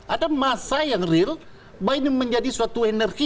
ada masa yang real bahwa ini menjadi suatu energi